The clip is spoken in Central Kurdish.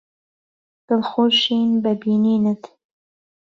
دڵخۆشین بە بینینت.